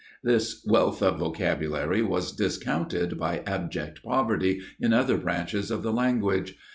This wealth of vocabulary was discounted by abject poverty in other branches of the language.